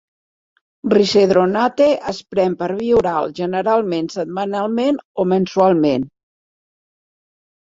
Risedronate es pren per via oral, generalment setmanalment o mensualment.